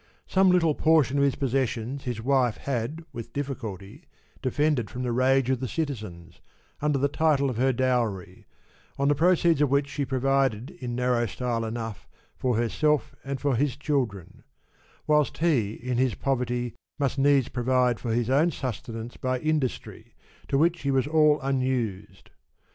Some little portion of his possess ions his wife had with difficulty defended from the rage of the citizens, under the title of her dowry, on the proceeds of which she provided in narrow style enough for herself and for his children ; whilst he in his poverty must needs provide for his own sustenance by industry, to which he was all unused.